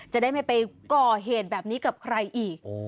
จะได้ไม่ไปก่อเหตุแบบนี้กับใครอีก